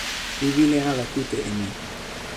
mi wile ala kute e ni.